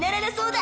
だ